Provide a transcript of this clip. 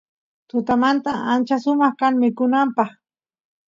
tutamanta ancha sumaq kan mikunapaq